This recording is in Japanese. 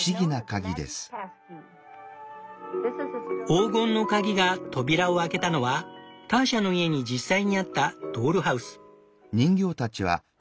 黄金の鍵が扉を開けたのはターシャの家に実際にあったドールハウス。